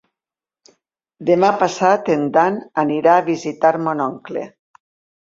Demà passat en Dan anirà a visitar mon oncle.